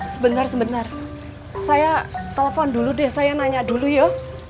sebentar sebentar saya telepon dulu deh saya nanya dulu yuk